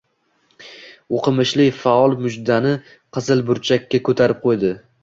O’qimishli faol mujdani «qizil burchak»ka ko‘tarib qo‘ydi.